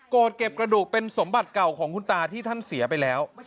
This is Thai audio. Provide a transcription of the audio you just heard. เก็บกระดูกเป็นสมบัติเก่าของคุณตาที่ท่านเสียไปแล้ว